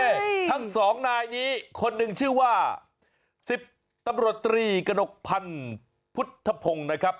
นี่ทั้งสองนายนี้คนหนึ่งชื่อว่าสิบตำรวจตรีกระหนกพันธ์พุทธพงศ์นะครับ